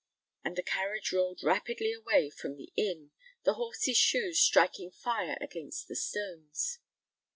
"—and the carriage rolled rapidly away from the inn, the horses' shoes striking fire against the stones.